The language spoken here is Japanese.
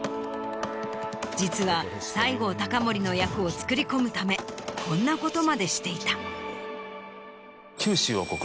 実は西郷隆盛の役を作り込むためこんなことまでしていた。